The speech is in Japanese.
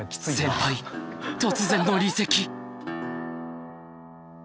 先輩突然の離席！